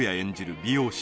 美容師